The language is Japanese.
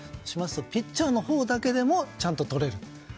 ピッチャーのほうだけでもちゃんととれる。